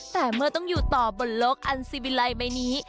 แต่เมื่อต้องอยู่ต่อบนโลกอันซีวิลัยใบนี้